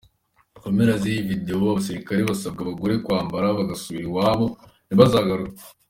Ku mpera z’iyo videwo abasirikare basaba abagore kwambara, bagasubira iwabo ntibazagaruke.